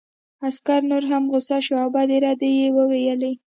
عسکر نور هم غوسه شو او بدې ردې یې وویلې